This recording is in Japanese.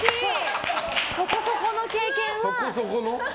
そこそこの経験は。